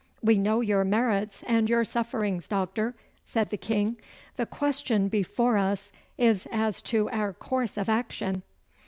'We know your merits and your sufferings, Doctor,' said the King. 'The question before us is as to our course of action.